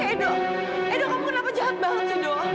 edo edo kamu kenapa jahat banget sih do